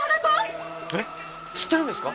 えっ知ってるんですか？